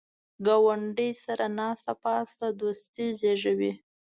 ګاونډي سره ناسته پاسته دوستي زیږوي